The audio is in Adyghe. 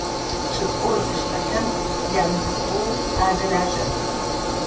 Чӏыпӏэу зыдэщыӏэхэм ямыпхыгъэу адэлажьэх.